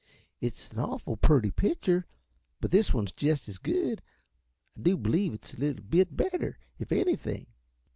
It's an awful purty pitcher, but this one's jest as good. I do b'lieve it's a little bit better, if anything.